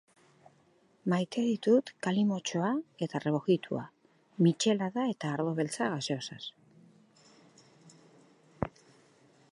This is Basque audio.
Maite ditut kalimotxoa eta rebujitoa, michelada eta ardo beltza gaseosaz.